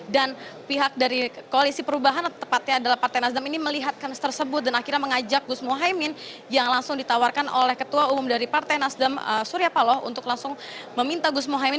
dan pihak dari koalisi perubahan atau tepatnya adalah partai nasdem ini melihatkan tersebut dan akhirnya mengajak gus mohemmin yang langsung ditawarkan oleh ketua umum dari partai nasdem suryapaloh untuk langsung meminta gus mohemmin